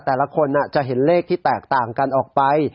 แต่ละคนจะเห็นเลขที่แตกต่างกันออกไป